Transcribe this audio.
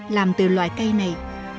làm từ loại cây này